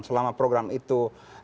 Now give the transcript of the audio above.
selama program itu